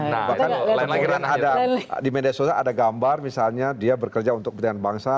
bahkan lain lagi kan ada di media sosial ada gambar misalnya dia bekerja untuk kepentingan bangsa